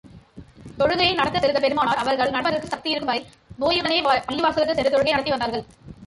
தொழுகையை நடத்தச் சொல்லுதல் பெருமானார் அவர்களால் நடப்பதற்குச் சக்தியிருக்கும் வரை, நோயுடனேயே பள்ளிவாசலுக்குச் சென்று தொழுகையை நடத்தி வந்தார்கள்.